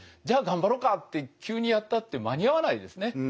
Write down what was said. じゃあ頑張ろうかって急にやったって間に合わないですね。